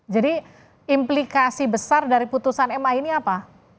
jadi implikasi besar dari putusan ma ini apa